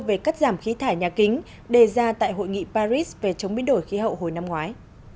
về cắt giảm khí thải nhà kính đề ra tại hội nghị paris về chống biến đổi khí hậu hồi năm ngoái